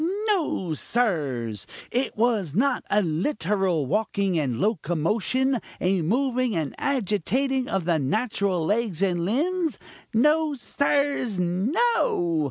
No, sirs! it was not a literal walking and locomotion, a moving and agitating of the natural legs and limbs. No, sirs! no!